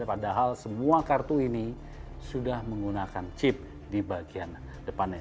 padahal semua kartu ini sudah menggunakan chip di bagian depannya